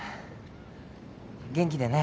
元気でね。